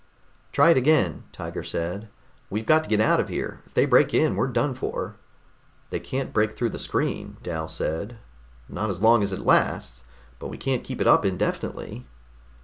"Try it again," Tiger said. "We've got to get out of here. If they break in, we're done for." "They can't break through the screen," Dal said. "Not as long as it lasts. But we can't keep it up indefinitely."